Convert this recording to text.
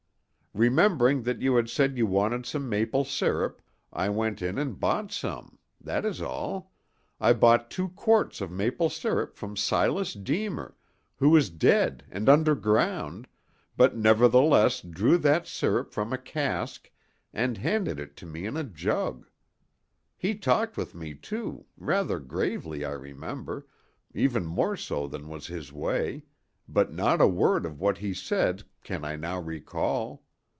Remembering that you had said you wanted some maple sirup, I went in and bought some—that is all—I bought two quarts of maple sirup from Silas Deemer, who is dead and underground, but nevertheless drew that sirup from a cask and handed it to me in a jug. He talked with me, too, rather gravely, I remember, even more so than was his way, but not a word of what he said can I now recall.